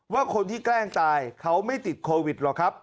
ว่าคนที่แกล้งตายเขาไม่ติดโควิดหรอกครับ